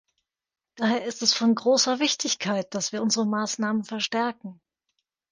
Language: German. Daher ist es von großer Wichtigkeit, dass wir unsere Maßnahmen verstärken.